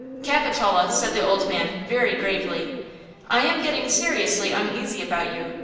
"Capitola," said the old man, very gravely, "I am getting seriously uneasy about you.